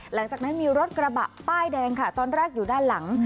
หลังจากนั้นมีรถกระบะป้ายแดงค่ะตอนแรกอยู่ด้านหลัง